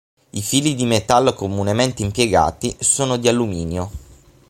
I fili di metallo comunemente impiegati sono di alluminio.